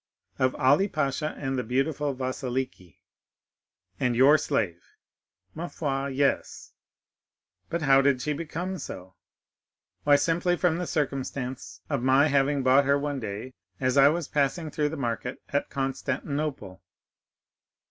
"Of Ali Pasha and the beautiful Vasiliki." "And your slave?" "Ma foi, yes." "But how did she become so?" "Why, simply from the circumstance of my having bought her one day, as I was passing through the market at Constantinople."